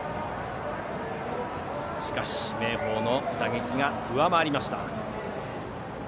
しかし、明豊の打撃が上回りました。